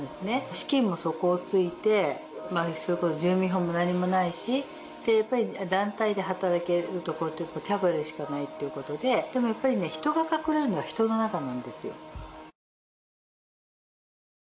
資金も底を突いてそれこそ住民票も何もないしでやっぱり団体で働ける所ってキャバレーしかないっていうことででもやっぱりね人が隠れるのは人の中なんですよ・